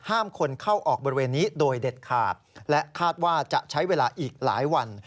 คนเข้าออกบริเวณนี้โดยเด็ดขาดและคาดว่าจะใช้เวลาอีกหลายวัน